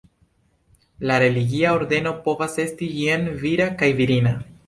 La religia ordeno povas esti jen vira kaj virina.